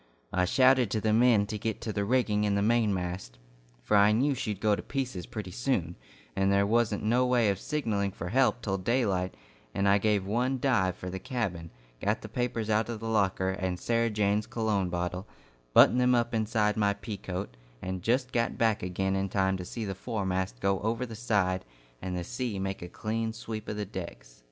I shouted to the men to get to the rigging in the mainmast, for I knew she'd go to pieces pretty soon, and there wasn't no way of signalling for help till daylight, and I gave one dive for the cabin, got the papers out of the locker, and Sarah Jane's cologne bottle, buttoned them up inside my pea coat, and just got back again in time to see the foremast go over the side and the sea make a clean sweep of the decks.